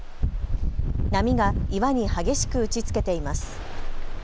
波が岩に激しく打ちつけています。